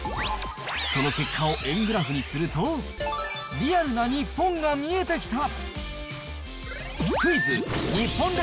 その結果を円グラフにすると、リアルな日本が見えてきた。